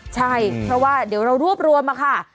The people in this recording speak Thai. ใช่เพราะว่าเดี๋ยวเรารวบรวมมาค่ะ